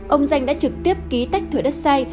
ông danh đã trực tiếp ký tách thửa đất sai